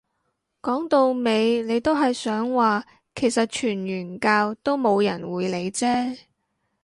講到尾你都係想話其實傳完教都冇人會理啫